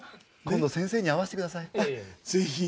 今度先生に会わせてください